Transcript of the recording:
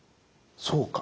そうか。